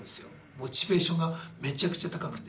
モチベーションがめちゃくちゃ高くて。